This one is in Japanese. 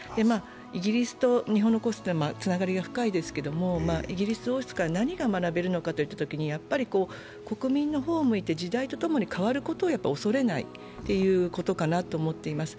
イギリスと日本の皇室はつながりが深いんですけれども何が学べるのかといったときにやはり国民の方を向いて時代とともに変わることを恐れないことかなと思っています。